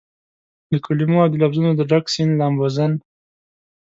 دکلمو اودلفظونو دډک سیند لامبوزن